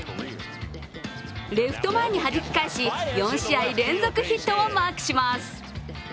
レフト前にはじき返し、４試合連続ヒットをマークします。